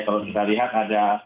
kalau kita lihat ada